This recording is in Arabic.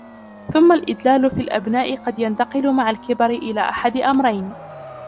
ثُمَّ الْإِدْلَالُ فِي الْأَبْنَاءِ قَدْ يَنْتَقِلُ مَعَ الْكِبَرِ إلَى أَحَدِ أَمْرَيْنِ